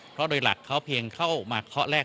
เพราะโดยหลักเขาเพียงเข้ามาเคาะแรก